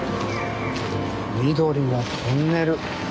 緑のトンネル。